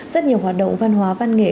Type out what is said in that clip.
rất nhiều hoạt động văn hóa văn nghệ